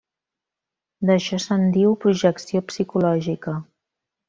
D'això se'n diu projecció psicològica.